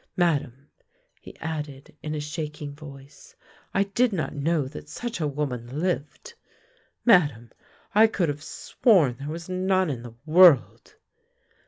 Madame," he added, in a shaking voice, " I did not know that such a woman lived. Madame, I could have sworn there was none in the world."